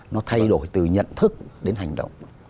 nó thay đổi từ nhận thức đến hành động